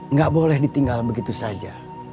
nggak boleh ditinggal begitu saja